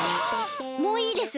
もういいです！